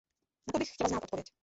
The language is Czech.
Na to bych chtěla znát odpověď.